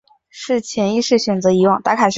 是潜意识选择遗忘